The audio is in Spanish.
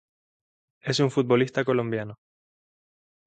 Es un futbolista colombiano.